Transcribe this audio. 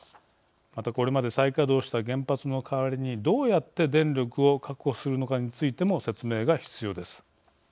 また、これまで再稼働した原発の代わりにどうやって電力を確保するのかについても説明が必要です。